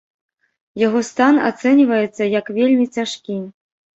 Яго стан ацэньваецца як вельмі цяжкі.